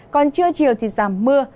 còn trưa chiều thì giảm mưa